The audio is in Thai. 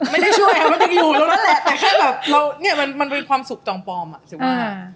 ไม่ได้ช่วยค่ะมันยังอยู่ตรงนั้นแหละแต่แค่แบบเราเนี่ยมันเป็นความสุขจองปลอมอ่ะสิว่า